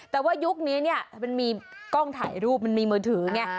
แต่ว่ายุคนี้เนี่ยมันมีกล้องถ่ายรูปมันมีมือถือไง